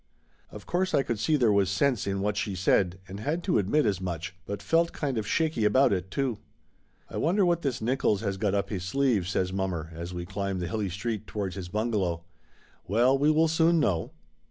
Of course I could see there was sense in what she said, and had to admit as much, but felt kind of shaky about it too. "I wonder what this Nickolls has got up his sleeve," says mommer as we climbed the hilly street towards his bungalow. "Well, we will soon know."